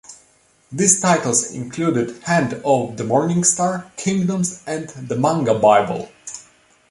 These titles included "Hand of the Morningstar", "Kingdoms", and "The Manga Bible".